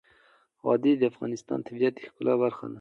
وادي د افغانستان د طبیعت د ښکلا برخه ده.